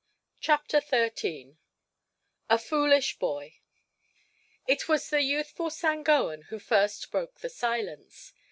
CHAPTER XIII A FOOLISH BOY It was the youthful Sangoan who first broke the silence.